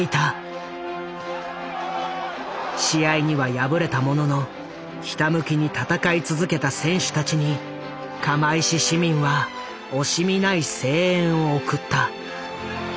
試合には敗れたもののひたむきに戦い続けた選手たちに釜石市民は惜しみない声援を送った。